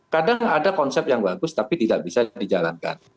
kadang ada konsep yang bagus tapi tidak bisa dijalankan